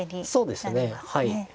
そうですねはい。